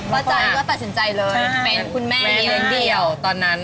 ใจก็ตัดสินใจเลยเป็นคุณแม่เลี้ยงเดี่ยวตอนนั้น